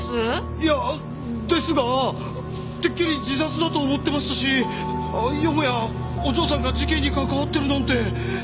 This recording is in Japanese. いやですがてっきり自殺だと思ってましたしよもやお嬢さんが事件に関わってるなんて。